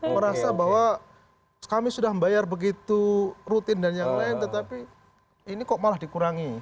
merasa bahwa kami sudah membayar begitu rutin dan yang lain tetapi ini kok malah dikurangi